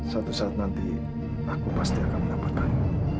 satu saat nanti aku pasti akan menempatkanmu